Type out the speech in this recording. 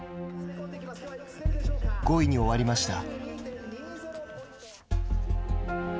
５位に終わりました。